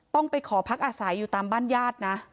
ต้องไปขอพักอาศัยอยู่ตามบ้านญาตินะ